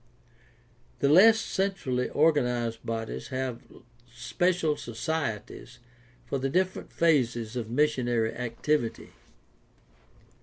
The less centrally organized bodies have special societies for the different phases of missionary activity.